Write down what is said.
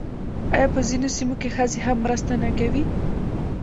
آیا په ځینو سیمو کې ښځې هم مرسته نه کوي؟